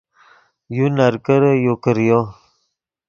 یو نرکرے یو کریو